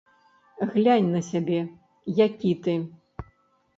Глянь на сябе, які ты.